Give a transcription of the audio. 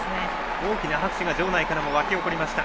大きな拍手が場内からも沸き起こりました。